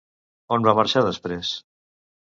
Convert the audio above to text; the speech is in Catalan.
On va marxar després?